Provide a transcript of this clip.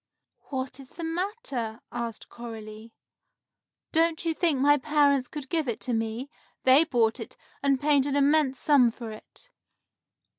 "What is the matter?" asked Coralie. "Don't you think my parents could give it to me? They bought it, and paid an immense sum for it."